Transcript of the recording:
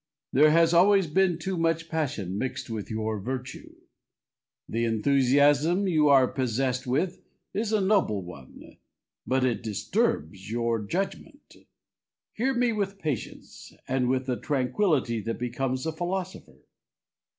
There has always been too much passion mixed with your virtue. The enthusiasm you are possessed with is a noble one, but it disturbs your judgment. Hear me with patience, and with the tranquillity that becomes a philosopher.